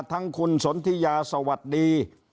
ทั้งคุณสนทิยาสวัสดี